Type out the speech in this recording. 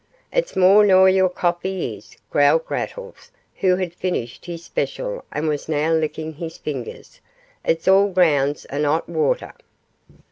'It's more nor your coffee is,' growled Grattles, who had finished his special and was now licking his fingers, 'it's all grounds and 'ot water.